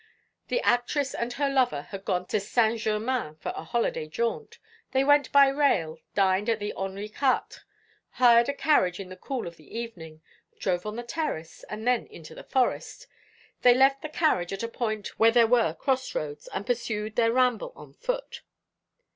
The actress and her lover had gone to Saint Germain for a holiday jaunt. They went by rail, dined at the Henri Quatre, hired a carriage in the cool of the evening, drove on the terrace, and then into the forest. They left the carriage at a point where there were cross roads, and pursued their ramble on foot."